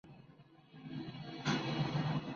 Ocupó diversos cargos en el sistema judicial mexicano.